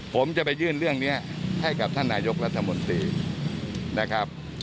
ผมจะไปยื่นเรื่องนี้ให้กับท่านนายกรัฐมนตรีนะครับ